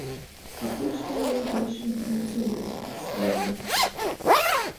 Пакуль што ў нас больш інфармацыйнае супрацьстаянне.